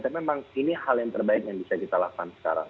tapi memang ini hal yang terbaik yang bisa kita lakukan sekarang